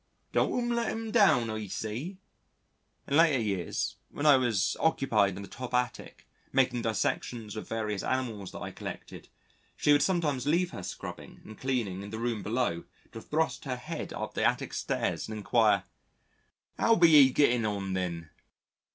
"Don' 'em let it down, I zay?" In later years, when I was occupied in the top attic, making dissections of various animals that I collected, she would sometimes leave her scrubbing and cleaning in the room below to thrust her head up the attic stairs and enquire, "'Ow be 'ee gettin' on then?"